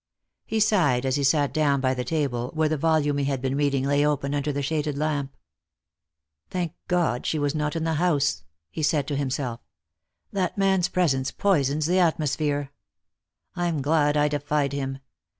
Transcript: He sighed as he sat down by the table, where the volume he had been reading lay open under the shaded lamp. " Thank God she was not in the house !" he said to himself. " That man's presence poisons the atmosphere. I'm glad I defied him.